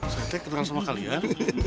saya teh kenal sama kalian